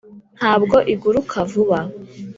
ntabwo iguruka vuba